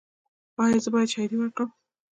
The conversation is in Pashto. ایا زه باید شاهدي ورکړم؟